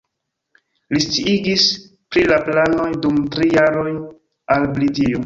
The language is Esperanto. Li sciigis pri la planoj dum tri jaroj al Britio.